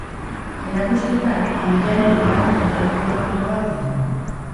Erakusketak egilearen lan autobiografikoak ditu.